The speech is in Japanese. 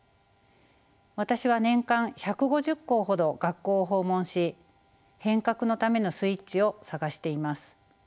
私は年間１５０校ほど学校を訪問し変革のためのスイッチを探しています。